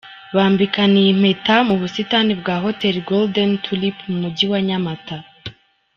Bambikaniye impeta mu busitani bwa hoteli Golden Tulip mu Mujyi wa Nyamata.